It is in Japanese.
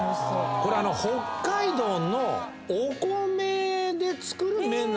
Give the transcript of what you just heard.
これ北海道のお米で作る麺なんです。